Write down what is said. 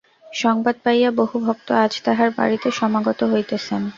সংবাদ পাইয়া বহু ভক্ত আজ তাঁহার বাড়ীতে সমাগত হইতেছেন।